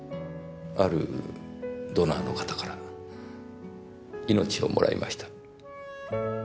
あるドナーの方から命をもらいました。